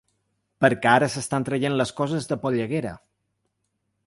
Perquè ara s’estan traient les coses de polleguera.